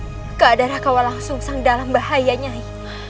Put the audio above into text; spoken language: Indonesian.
tidak ada raka walang sung sang dalam bahaya nyai